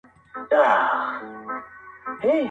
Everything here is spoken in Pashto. یادوي به مي هر څوک په بد ویلو.!